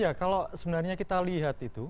ya kalau sebenarnya kita lihat itu